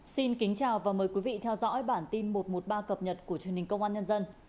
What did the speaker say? xin kính chào và mời quý vị theo dõi bản tin một trăm một mươi ba cập nhật của truyền hình công an nhân dân